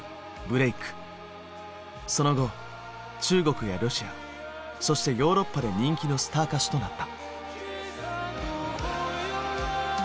その後中国やロシアそしてヨーロッパで人気のスター歌手となった。